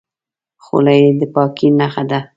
خولۍ د پاکۍ نښه ده.